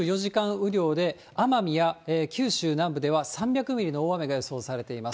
雨量で、奄美や九州南部では３００ミリの大雨が予想されています。